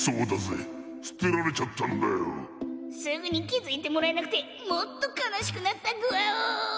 「すぐにきづいてもらえなくてもっとかなしくなったぐわお」。